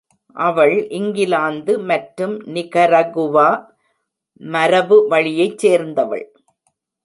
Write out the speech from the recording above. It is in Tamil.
அவள் இங்கிலாந்து மற்றும் நிகரகுவா மரபு வழியைச் சேர்ந்தவள்.